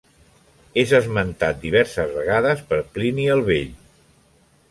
És esmentat diverses vegades per Plini el Vell.